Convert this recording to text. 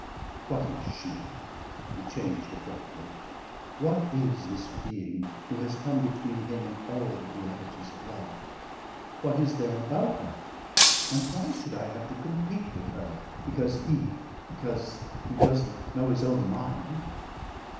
"What is she?" she changed abruptly. "What is this being, who has come between him and all the realities of life? What is there about her ? And why should I have to compete with her, because he because he doesn't know his own mind?"